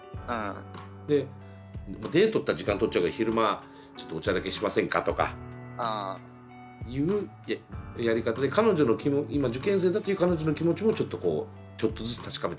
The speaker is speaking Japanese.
でデートって言ったら時間取っちゃうから「昼間ちょっとお茶だけしませんか」とかいうやり方で彼女の今受験生だっていう彼女の気持ちもちょっとこうちょっとずつ確かめたら？